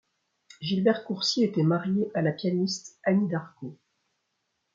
Gilbert Coursier était marié à la pianiste Annie d'Arco.